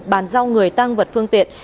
bàn giao người tăng vật phương tiện